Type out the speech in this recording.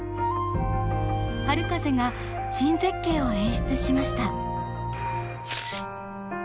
春風が新絶景を演出しました。